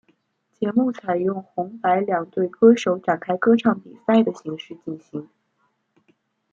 节目采由红白两队歌手展开歌唱比赛的形式进行。